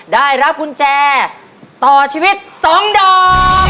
ได้รับกุญแจต่อชีวิต๒ดอก